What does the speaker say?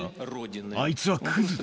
あいつはくずだ。